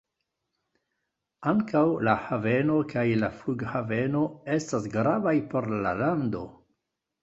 Ankaŭ la haveno kaj la flughaveno estas gravaj por la lando.